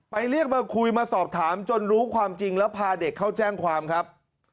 เรียกมาคุยมาสอบถามจนรู้ความจริงแล้วพาเด็กเข้าแจ้งความครับ